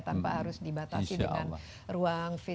tanpa harus dibatasi dengan ruang fifa